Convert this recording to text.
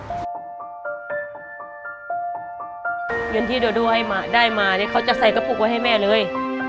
เป็นเรื่องที่เดียวได้ใหม่เขาจะใส่กระบุไว้ให้แม่เลย